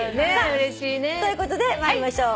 うれしいね！ということで参りましょう。